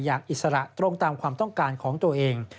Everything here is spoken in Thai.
อิสระตรงตามความต้องการของตัวเอง